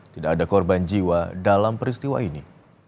tidak ada korban jiwa dalam peristiwa ini